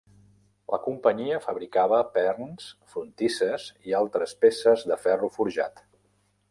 La companyia fabricava perns, frontisses i altres peces de ferro forjat.